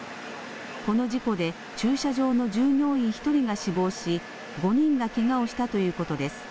この事故で、駐車場の従業員１人が死亡し、５人がけがをしたということです。